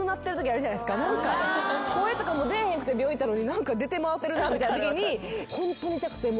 声とかも出えへんくて病院行ったのに何か出てまうてるなみたいなときに「ホントに痛くて全然出なかった